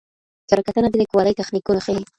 کره کتنه د لیکوالۍ تخنیکونه ښيي.